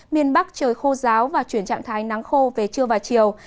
miền bắc trời khô giáo và chuyển trạng thái nắng khô về trưa và chiều